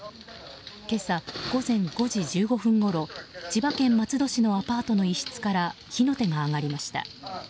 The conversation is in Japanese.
今朝午前５時１５分ごろ千葉県松戸市のアパートの一室から火の手が上がりました。